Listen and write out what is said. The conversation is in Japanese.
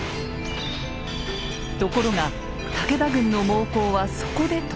ところが武田軍の猛攻はそこで止まります。